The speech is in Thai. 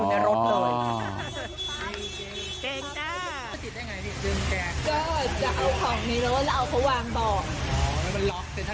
ก็จะเอาของในรถแล้วเอาเขาวางเบาะ